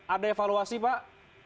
ada evaluasi pak